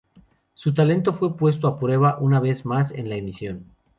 Su talento fue puesto a prueba una vez más en la emisión.